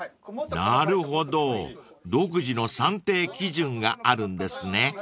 ［なるほど独自の算定基準があるんですね］